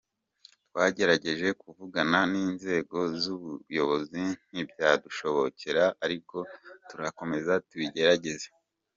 Twagerageje kuvugana n’ inzego z’ ubuyobozi ntibyadushobokera ariko turakomeza tubigerageze.